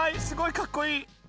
すごいかっこいい。